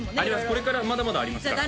これからまだまだありますからじゃあ